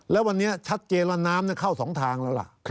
แล้ววันนี้ชัดเจนว่าน้ำเข้า๒ทางแล้วล่ะ